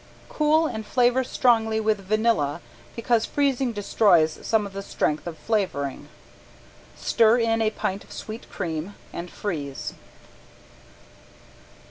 Cool and flavor strongly with vanilla because freezing destroys some of the strength of flavoring. Stir in a pint of sweet cream and freeze.